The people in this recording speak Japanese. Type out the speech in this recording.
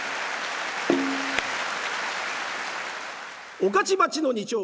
御徒町の２丁目馬庭